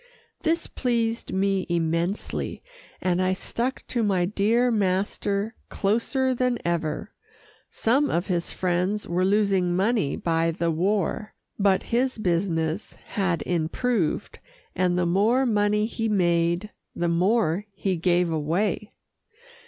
This pleased me immensely, and I stuck to my dear master closer than ever. Some of his friends were losing money by the war, but his business had improved, and the more money he made, the more he gave away.